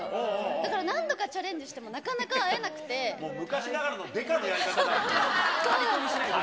だから何度かチャレンジしてもなもう昔ながらのデカのやり方そうなんです。